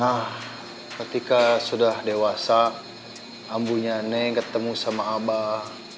nah ketika sudah dewasa ambunya neng ketemu sama abah